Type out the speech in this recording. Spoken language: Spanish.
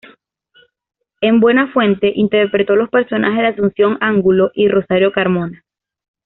En "Buenafuente" interpretó los personajes de Asunción Angulo y Rosario Carmona.